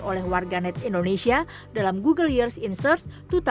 oleh warga net indonesia dalam google years inserts dua ribu dua puluh dua